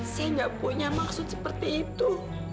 saya nggak punya maksud seperti itu